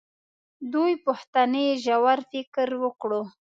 دوې پوښتنې ژور فکر وکړو.